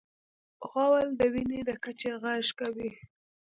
غول د وینې د کچې غږ کوي.